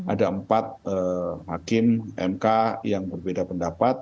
ada empat hakim mk yang berbeda pendapat